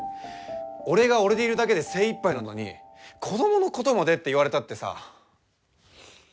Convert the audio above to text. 俺が俺でいるだけで精いっぱいなのに子どものことまでって言われたってさ。